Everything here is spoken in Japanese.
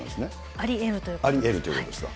ありえるということですか。